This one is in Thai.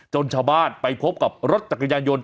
ชาวบ้านไปพบกับรถจักรยานยนต